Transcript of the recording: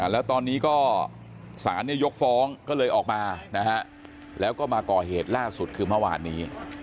แล้วตอนนี้ก็สารยกฟ้องก็เลยออกมานะฮะแล้วก็มาก่อเหตุล่าสุดคือเมื่อวานนี้